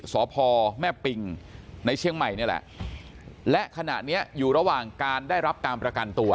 สพแม่ปิงในเชียงใหม่นี่แหละและขณะเนี้ยอยู่ระหว่างการได้รับการประกันตัว